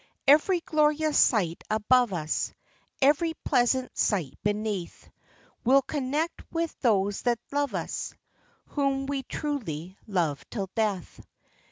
Every glorious sight above us, Every pleasant sight beneath, We 'll connect with those that love us, Whom we truly love till death